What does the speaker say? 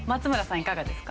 いかがですか？